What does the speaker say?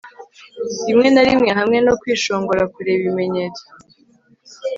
rimwe na rimwe hamwe no kwishongora, kureba, ibimenyetso